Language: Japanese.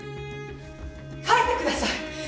帰ってください！